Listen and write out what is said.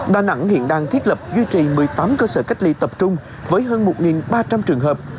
đà nẵng hiện đang thiết lập duy trì một mươi tám cơ sở cách ly tập trung với hơn một ba trăm linh trường hợp